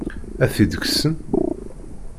Ad t-id-kksen?